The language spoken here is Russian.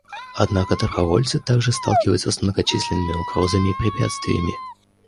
Однако добровольцы также сталкиваются с многочисленными угрозами и препятствиями.